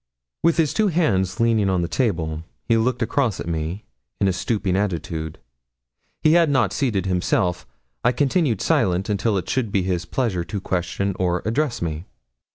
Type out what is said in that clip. With his two hands leaning on the table, he looked across at me, in a stooping attitude; he had not seated himself. I continued silent until it should be his pleasure to question or address me.